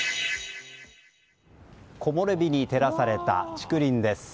木漏れ日に照らされた竹林です。